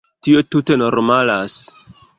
Tio tute normalas.